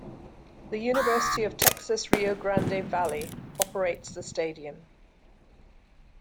The University of Texas Rio Grande Valley operates the stadium.